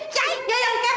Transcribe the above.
cah iya yang kevin